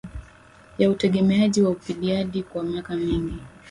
ya utegemeaji wa opioidi kwa miaka mingi